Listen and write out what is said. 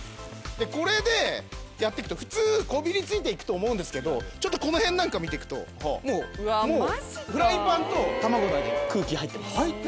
これでやっていくと普通こびりついていくと思うんですけどちょっとこの辺なんかを見ていくともうフライパンと卵の間に空気入ってます。